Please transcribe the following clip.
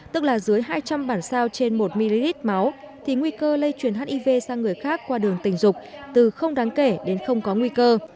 tức là dưới hai trăm linh bản sao trên một ml máu thì nguy cơ lây chuyển hiv sang người khác qua đường tình dục từ không đáng kể đến không có nguy cơ